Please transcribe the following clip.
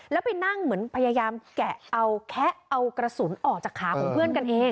แล้วไปนั่งเหมือนพยายามแกะเอาแคะเอากระสุนออกจากขาของเพื่อนกันเอง